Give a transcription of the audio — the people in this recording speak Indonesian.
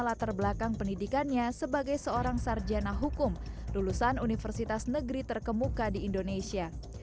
latar belakang pendidikannya sebagai seorang sarjana hukum lulusan universitas negeri terkemuka di indonesia